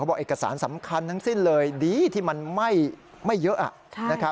บอกเอกสารสำคัญทั้งสิ้นเลยดีที่มันไม่เยอะ